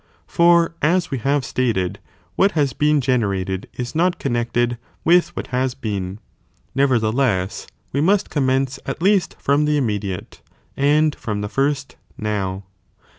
for, as we have stated, what haa been ge nerated is not connected with what has been ; nevertheless we must commence at least from the immediate " and Mediiio, Tay from the first boip.'